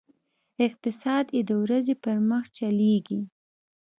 اقتصاد یې د ورځې پر مخ چلېږي.